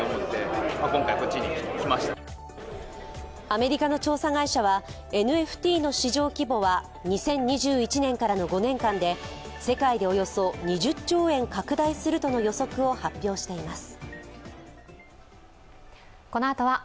アメリカの調査会社はＮＦＴの市場規模は２０２１年からの５年間で世界でおよそ２０兆円拡大するとの予測を発表しています。